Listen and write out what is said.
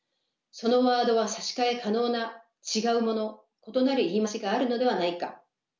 そのワードは差し替え可能な違うもの異なる言い回しがあるのではないか？